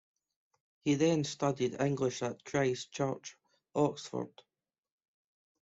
He then studied English at Christ Church, Oxford.